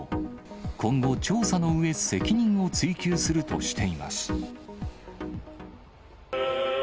今後、調査のうえ、責任を追及するとしています。